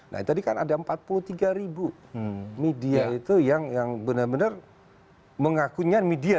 nah tadi kan ada empat puluh tiga ribu media itu yang benar benar mengakunya media